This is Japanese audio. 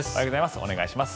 お願いします。